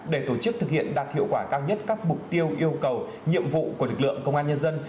để tổ chức thực hiện đạt hiệu quả cao nhất các mục tiêu yêu cầu nhiệm vụ của lực lượng công an nhân dân